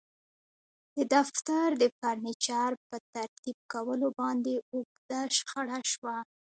د دفتر د فرنیچر په ترتیب کولو باندې اوږده شخړه شوه